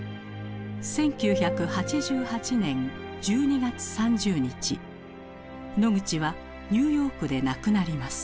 １９８８年１２月３０日ノグチはニューヨークで亡くなります。